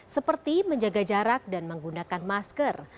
seperti menjaga jarak dan menggunakan masker